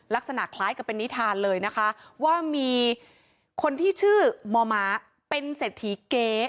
ลักษณะคล้ายกับเป็นนิทานเลยนะคะว่ามีคนที่ชื่อมมเป็นเศรษฐีเก๊